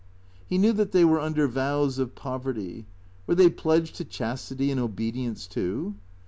He knew that they were under vows of poverty. Were they pledged to chastity and obedience, too